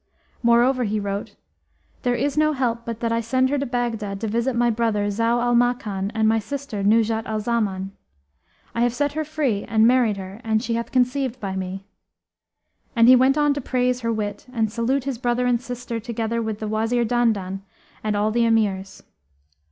Moreover he wrote, "There is no help but that I send her to Baghdad to visit my brother Zau al Makan and my sister Nuzhat al Zaman. I have set her free and married her and she hath conceived by me." And he went on to praise her wit and salute his brother and sister together with the Wazir Dandan and all the Emirs.